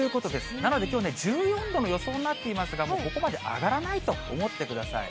なので、きょうね、１４度の予想になっていますが、もうここまで上がらないと思ってください。